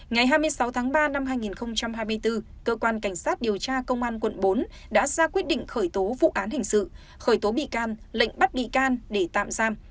ngày hai mươi sáu tháng ba năm hai nghìn hai mươi bốn cơ quan cảnh sát điều tra công an quận bốn đã ra quyết định khởi tố vụ án hình sự khởi tố bị can lệnh bắt bị can để tạm giam